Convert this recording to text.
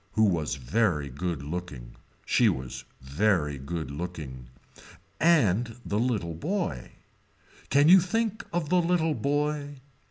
Who was very good looking. She was very good looking. And the little boy. Can you think of the little boy.